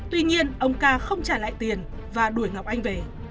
tuy nhiên ông ca không trả lại tiền và đuổi ngọc anh về